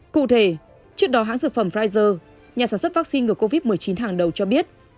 cụ thể trước đó hãng dược phẩm pfizer nhà sản xuất vaccine ngừa covid một mươi chín hàng đầu cho biết